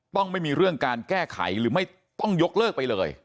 ไม่มีเรื่องการแก้ไขหรือไม่ต้องยกเลิกไปเลย